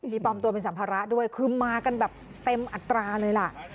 มีปลอมตัวเป็นสัมภาระด้วยคือมากันแบบเต็มอัตราเลยล่ะ